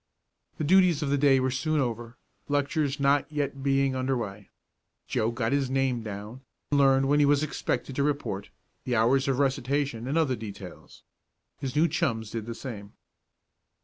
The duties of the day were soon over, lectures not yet being under way. Joe got his name down, learned when he was expected to report, the hours of recitation, and other details. His new chums did the same.